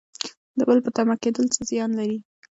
د بل په تمه کیدل څه زیان لري؟